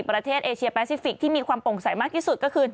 ประเทศเอเชียแปซิฟิกที่มีความโปร่งใสมากที่สุดก็คือ